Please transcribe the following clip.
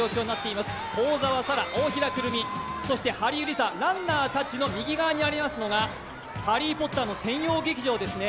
幸澤沙良、大平くるみ、ハリウリサランナーたちの右側にありますのが「ハリー・ポッター」の専用舞台ですね。